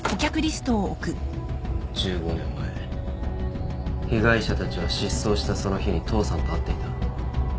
１５年前被害者たちは失踪したその日に父さんと会っていた。